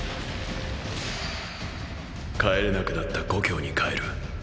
帰れなくなった故郷に帰る。